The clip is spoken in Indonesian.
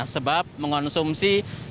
sebab mengonsumsi minuman